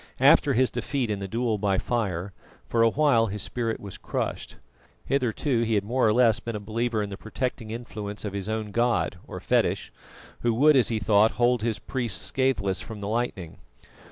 After his defeat in the duel by fire, for a while his spirit was crushed. Hitherto he had more or less been a believer in the protecting influence of his own god or fetish, who would, as he thought, hold his priests scatheless from the lightning.